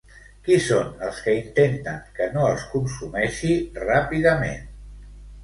Qui són els que intenten que no es consumeixi ràpidament?